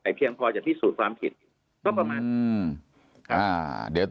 แต่เพียงพอจะพิสูจน์ความผิดก็ประมาณ